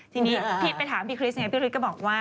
ทีนี้พี่ไปถามพี่คริสเขาบอกว่า